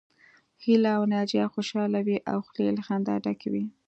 هيله او ناجيه خوشحاله وې او خولې يې له خندا ډکې وې